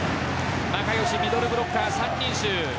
仲良しミドルブロッカー３人衆。